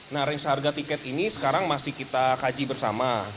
nah range harga tiket ini sekarang masih kita kaji bersama